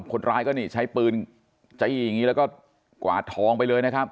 คนร้ายก็นี่ใช้ปืนจี้อย่างนี้แล้วก็กวาดทองไปเลยนะครับ